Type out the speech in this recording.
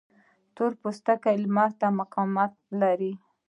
تور پوستکی لمر ته مقاومت لري